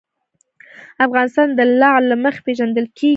افغانستان د لعل له مخې پېژندل کېږي.